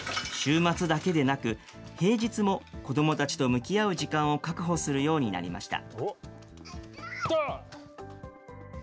週末だけでなく、平日も子どもたちと向き合う時間を確保するようになりました。